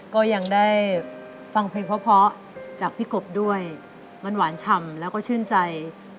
ก็ยังได้ฟังเพลงเพราะเขามาดูพี่กบด้วยมันหวานชำและเชื่อใจ